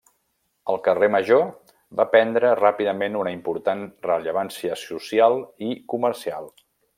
El carrer Major va prendre ràpidament una important rellevància social i comercial.